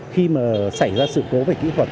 khi mà xảy ra sự cố vệ kỹ thuật